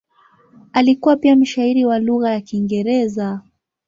Alikuwa pia mshairi wa lugha ya Kiingereza.